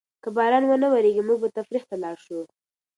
که باران ونه وریږي، موږ به تفریح ته لاړ شو.